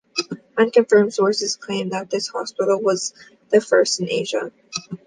Unconfirmed sources claim that this hospital was the first in Asia.